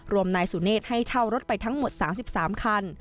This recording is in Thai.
นายสุเนธให้เช่ารถไปทั้งหมด๓๓คัน